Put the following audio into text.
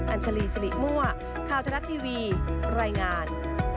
ัญชาลีสิริมั่วข่าวทะลัดทีวีรายงาน